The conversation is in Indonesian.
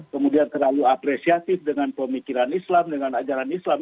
kemudian terlalu apresiatif dengan pemikiran islam dengan ajaran islam